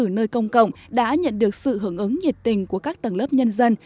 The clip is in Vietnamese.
ở nơi công cộng đã nhận được sự hưởng ứng nhiệt tình của các tầng lớp nhân dân